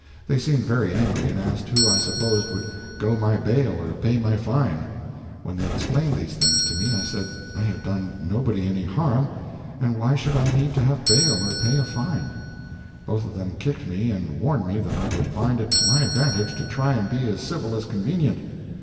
They seemed very angry and asked who I supposed would "go my bail or pay my fine." When they explained these things to me, I said I had done nobody any harm, and why should I need to have bail or pay a fine? Both of them kicked me and warned me that I would find it to my advantage to try and be as civil as convenient.